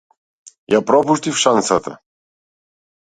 Ја пропуштив шансата.